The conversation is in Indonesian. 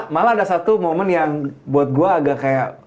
malah ada satu momen yang buat gue agak kayak